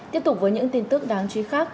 tiếp tục với những tin tức đáng chú ý khác